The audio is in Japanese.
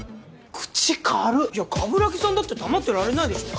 口軽っ！いや鏑木さんだって黙ってられないでしょ。